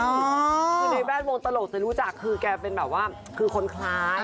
คือในแวดวงตลกจะรู้จักคือแกเป็นแบบว่าคือคนคล้าย